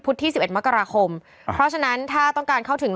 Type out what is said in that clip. เพราะฉะนั้นถ้าต้องการเข้าถึง